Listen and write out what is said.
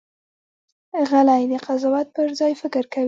غلی، د قضاوت پر ځای فکر کوي.